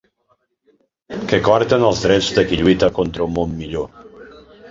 Que coarten els drets de qui lluita contra un món millor.